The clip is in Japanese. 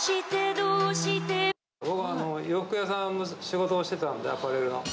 僕は洋服屋さんの仕事をしてたんで、アパレルの。